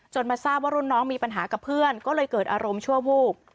มาทราบว่ารุ่นน้องมีปัญหากับเพื่อนก็เลยเกิดอารมณ์ชั่ววูบ